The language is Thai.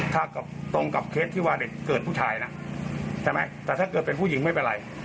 ถ้าตรงกับเคสที่ว่าเด็กเกิดผู้ชายนะใช่ไหมแต่ถ้าเกิดเป็นผู้หญิงไม่เป็นไร